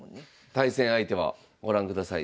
対戦相手はご覧ください